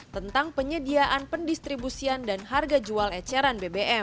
tentang penyediaan pendistribusian dan harga jualan